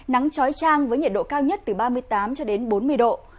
nắng trói trang với nhiệt độ cao nhất từ ba mươi tám cho đến bốn mươi độ